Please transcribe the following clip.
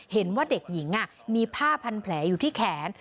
เห็นว่าเด็กหญิงมีผ้าพันแผลอยู่ที่แขน